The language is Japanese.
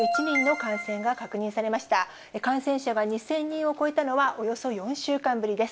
感染者が２０００人を超えたのは、およそ４週間ぶりです。